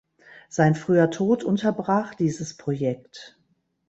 Sein früher Tod unterbrach dieses Projekt.